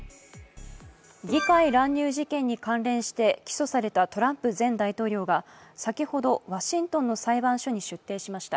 議会乱入事件に関連して起訴されたトランプ前大統領が先ほどワシントンの裁判所に出廷しました。